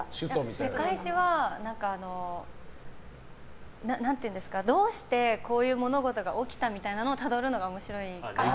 世界史はどうしてこういう物事が起きたみたいなのをたどるのが面白いから。